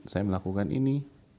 saya melakukan ini